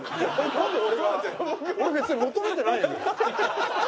俺別に求めてないのよ。